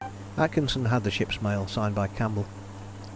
Atkinson had the ship's mail, signed by Campbell.